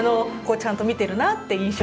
ちゃんと見てるなって印象